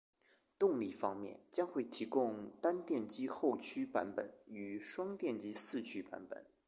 动力方面，将会提供单电机后驱版本与双电机四驱版本